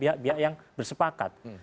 pihak pihak yang bersepakat